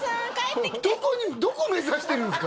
どこ目指してるんですか？